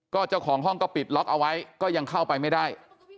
ก็เจ้าของห้องก็ปิดล็อกเอาไว้ก็ยังเข้าไปไม่ได้